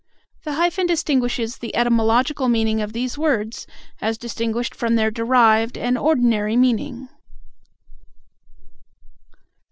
The hyphen distinguishes the etymological meaning of these words as distinguished from their derived and ordinary meaning.